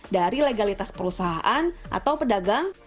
dari legalitas perusahaan atau pedagang